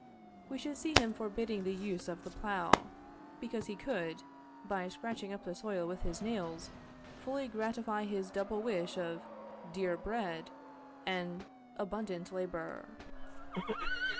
We should see him forbidding the use of the plough, because he could, by scratching up the soil with his nails, fully gratify his double wish of "dear bread and abundant labor."